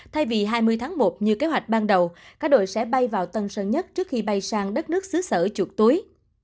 thay vì hai mươi tháng một như kế hoạch ban đầu các đội sẽ bay vào tân sơn nhất trước khi bay sang đất nước xứ sở chuột túi